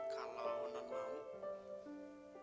kalau non mau